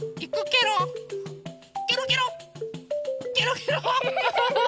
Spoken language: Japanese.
ケロケロケロケロ。